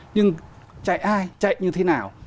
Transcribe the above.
nhưng chạy ai chạy như thế nào